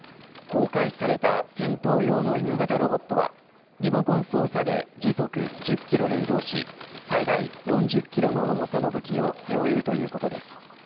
公開された戦闘用の犬型ロボットはリモコン操作で時速１０キロで移動し最大４０キロの重さの武器を背負えるということです。